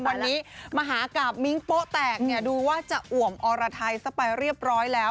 วันนี้มหากราบมิ้งโป๊แตกเนี่ยดูว่าจะอ่วมอรไทยซะไปเรียบร้อยแล้ว